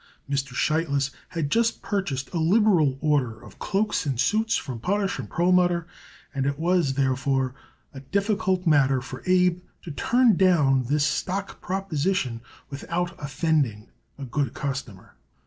Mr. Sheitlis had just purchased a liberal order of cloaks and suits from Potash & Perlmutter, and it was, therefore, a difficult matter for Abe to turn down this stock proposition without offending a good customer.